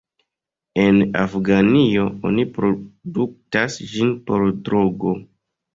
En Afganio oni produktas ĝin por drogo.